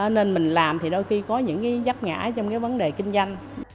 nên mình làm thì đôi khi có những cái giấc ngã trong cái vấn đề kinh doanh